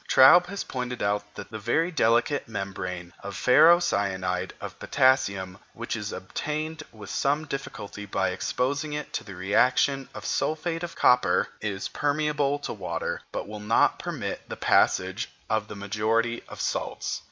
Traube has pointed out that the very delicate membrane of ferrocyanide of potassium which is obtained with some difficulty by exposing it to the reaction of sulphate of copper, is permeable to water, but will not permit the passage of the majority of salts.